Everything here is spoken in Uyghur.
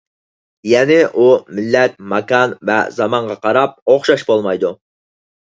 يەنى، ئۇ، مىللەت، ماكان ۋە زامانغا قاراپ ئوخشاش بولمايدۇ.